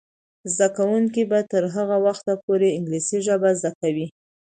زده کوونکې به تر هغه وخته پورې انګلیسي ژبه زده کوي.